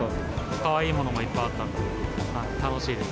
かわいいものもいっぱいあったので、楽しいです。